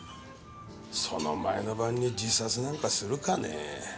その前の晩に自殺なんかするかね？